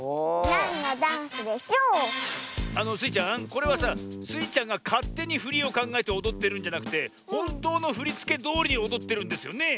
これはさスイちゃんがかってにふりをかんがえておどってるんじゃなくてほんとうのふりつけどおりにおどってるんですよね？